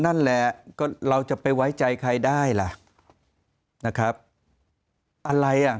นั่นแหละก็เราจะไปไว้ใจใครได้ล่ะนะครับอะไรอ่ะ